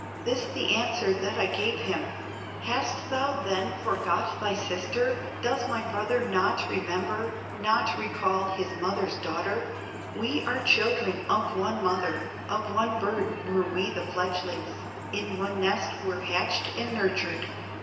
"This the answer that I gave him: 'Hast thou then forgot thy sister, Does my brother not remember, Not recall his mother's daughter? We are children of one mother, Of one bird were we the fledgelings, In one nest were hatched and nurtured.